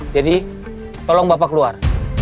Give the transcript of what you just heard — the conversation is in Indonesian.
jadi tolong bapak keluar